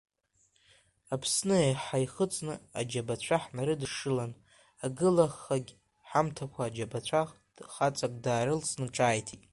Аԥсы ҳаихыҵны, аџьабацәа ҳнарыдышшылан агылахагь ҳамҭакәа, аџьабацәа хаҵак даарылҵны ҿааиҭит…